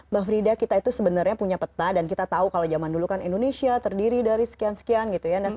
mbak frida kita itu sebenarnya punya peta dan kita tahu kalau zaman dulu kan indonesia terdiri dari sekian sekian gitu ya